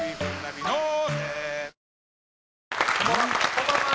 こんばんは。